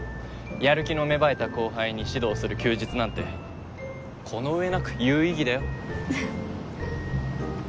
やる気の芽生えた後輩に指導する休日なんてこの上なく有意義だよ。